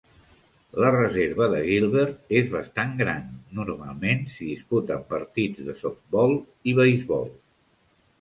La reserva de Gilbert és bastant gran. Normalment s'hi disputen partits de softbol i beisbol.